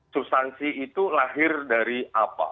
substansi itu lahir dari apa